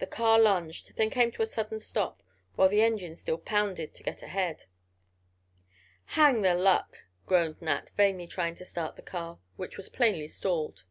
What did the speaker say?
The car lunged, then came to a sudden stop, while the engine still pounded to get ahead. "Hang the luck!" groaned Nat, vainly trying to start the car, which was plainly stalled.